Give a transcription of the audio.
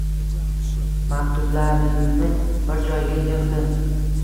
Maktublaringni bir joyga yig’di